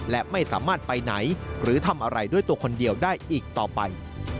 และไม่สามารถไปไหนหรือทำอะไรด้วยตัวคนเดียวได้อีกต่อไป